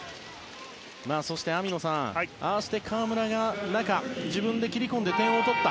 そして、網野さんああして河村が中に自分で切り込んで点を取った。